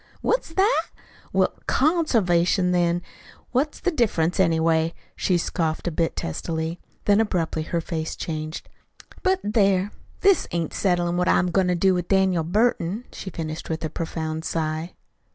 "Heh? What's that? Well, CONservation, then. What's the difference, anyway?" she scoffed a bit testily. Then, abruptly, her face changed. "But, there! this ain't settlin' what I'm going to do with Daniel Burton," she finished with a profound sigh.